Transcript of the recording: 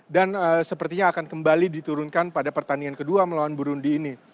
dan sepertinya akan kembali diturunkan pada pertandingan kedua melawan burundi ini